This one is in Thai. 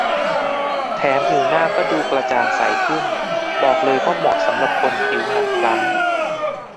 แถมผิวหน้าก็ดูกระจ่างใสขึ้น บอกเลยว่าเหมาะสำหรับคนผิวหมองคล้ำ